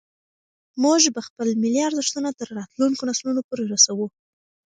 موږ به خپل ملي ارزښتونه تر راتلونکو نسلونو پورې رسوو.